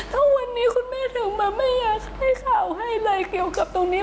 ถ้าวันนี้คุณแม่ถึงมาไม่อยากให้ข่าวให้เลยเกี่ยวกับตรงนี้